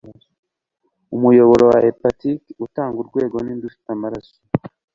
Umuyoboro wa Hepatike Utanga Urwego Ninde ufite Amaraso?